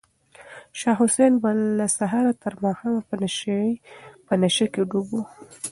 شاه حسین به له سهاره تر ماښامه په نشه کې ډوب و.